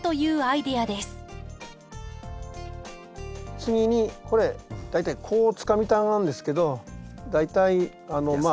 次にこれ大体こうつかみたがるんですけど大体まあ。